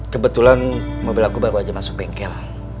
kebetulan mobil aku baru aja masuk bengkel